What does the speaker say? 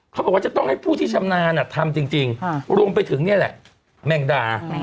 เขาบอกว่าจะต้องให้ผู้ที่ชำนาญทำจริงรวมไปถึงนี่แหละแมงดา